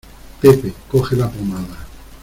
Pepe coge la pomada.